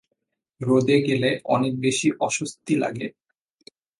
রোদে গেলে অনেক বেশি অস্বস্তি লাগে।